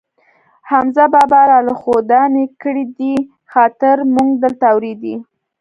حمزه بابا را له ښودانې کړی دي، خاطر مونږ دلته اورېدی.